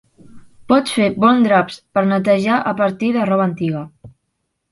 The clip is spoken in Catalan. Pots fer bons draps per netejar a partir de roba antiga.